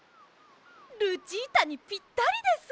ルチータにぴったりです！